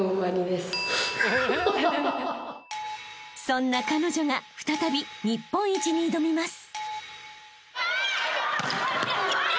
［そんな彼女が再び日本一に挑みます］